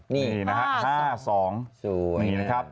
นี่นะฮะ๕๒